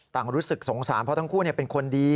รู้สึกสงสารเพราะทั้งคู่เป็นคนดี